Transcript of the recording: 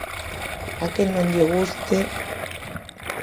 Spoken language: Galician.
A quen non lle guste...